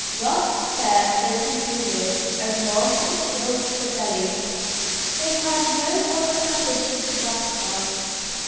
Rough fare they can do with, as long as it fills the belly. They have no other ambition to gratify.